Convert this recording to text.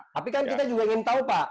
tapi kan kita juga ingin tahu pak